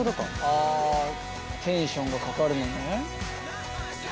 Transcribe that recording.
あテンションがかかるのね。